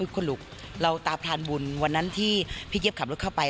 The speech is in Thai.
คุณลูกเราตาพรานบุญวันนั้นที่พี่เจี๊ยบขับรถเข้าไป